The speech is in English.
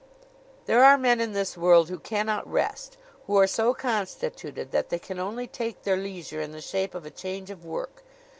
There are men in this world who cannot rest; who are so constituted that they can only take their leisure in the shape of a change of work.